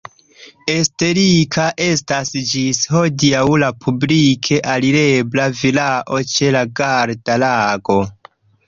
Estetika estas ĝis hodiaŭ la publike alirebla vilao ĉe la Garda-Lago.